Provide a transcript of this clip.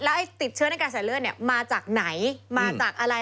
แล้วติดเชื้อในกระแสเลือดมาจากไหนมาจากอะไร